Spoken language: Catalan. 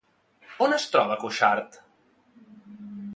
On es troba Cuixart?